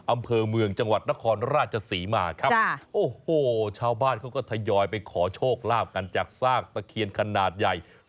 อำเภอเมืองจังหวัดนครราชศรีมาครับโอ้โหชาวบ้านเขาก็ทยอยไปขอโชคลาภกันจากซากตะเคียนขนาดใหญ่